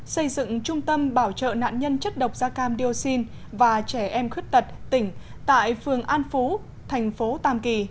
xây dựng trung tâm bảo trợ nạn nhân chất độc da cam dioxin và trẻ em khuyết tật tỉnh tại phường an phú thành phố tam kỳ